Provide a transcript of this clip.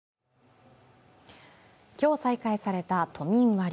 今日再開された都民割。